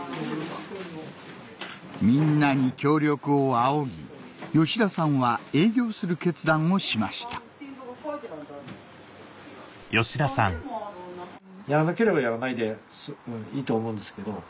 みんなに協力を仰ぎ吉田さんは営業する決断をしましたやらなければやらないでいいと思うんですけど。